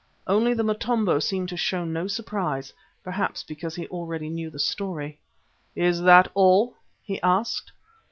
Only the Motombo seemed to show no surprise, perhaps because he already knew the story. "Is that all?" he asked.